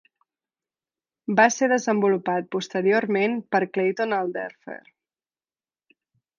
Va ser desenvolupat posteriorment per Clayton Alderfer.